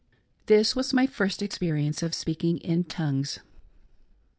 This was my first experience of speaking in tongues.